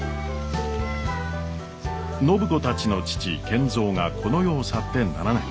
暢子たちの父賢三がこの世を去って７年。